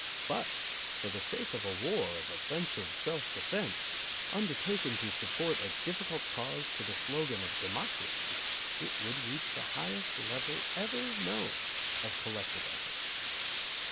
But for the sake of a war of offensive self defense, undertaken to support a difficult cause to the slogan of "democracy," it would reach the highest level ever known of collective effort.